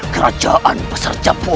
kerajaan besar jepur